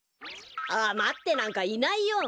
あまってなんかいないよ。